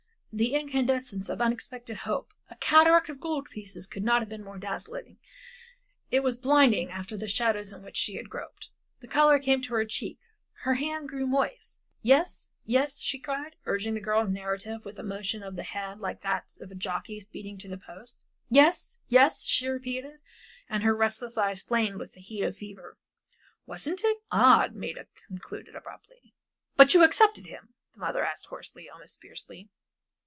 The incandescence of unexpected hope. A cataract of gold pieces could not have been more dazzling; it was blinding after the shadows in which she had groped. The color came to her cheeks, her hand grew moist. "Yes, yes," she cried, urging the girl's narrative with a motion of the head like to that of a jockey speeding to the post; "yes, yes," she repeated, and her restless eyes flamed with the heat of fever. "Wasn't it odd?" Maida concluded abruptly. "But you accepted him?" the mother asked hoarsely, almost fiercely.